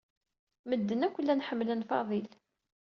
Medden akk llan ḥemmlen Fadil.